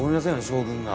将軍が。